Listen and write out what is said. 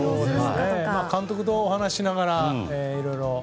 監督とお話ししながらいろいろ。